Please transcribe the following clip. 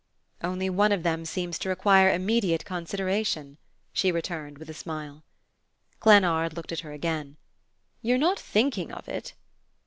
"Only one of them seems to require immediate consideration," she returned, with a smile. Glennard looked at her again. "You're not thinking of it?"